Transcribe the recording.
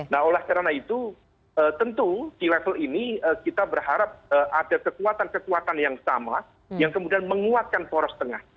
nah oleh karena itu tentu di level ini kita berharap ada kekuatan kekuatan yang sama yang kemudian menguatkan poros tengah